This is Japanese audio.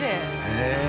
へえ。